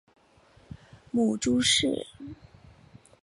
母朱氏。